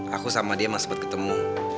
aku sama dia masih sempat ketemu